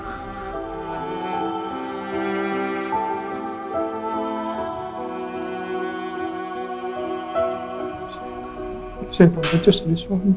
aku bisa bercanda ke jess jadi suami